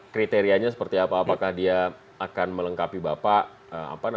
kriterianya seperti apa apakah dia akan melengkapi bapak